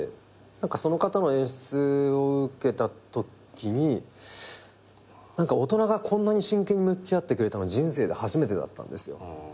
その方の演出を受けたときに大人がこんなに真剣に向き合ってくれたの人生で初めてだったんですよ。